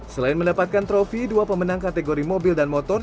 selain mendapatkan trofi dua pemenang kategori mobil dan motor